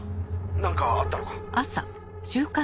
何かあったのか？